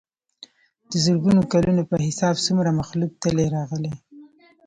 دَ زرګونو کلونو پۀ حساب څومره مخلوق تلي راغلي